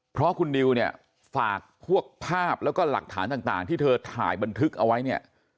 เพราะคุณนิวเนี่ยฝากพวกภาพแล้วก็หลักฐานต่างที่เธอถ่ายบันทึกเอาไว้เนี่ย